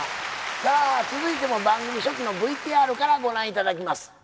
さあ続いても番組初期のＶＴＲからご覧頂きます。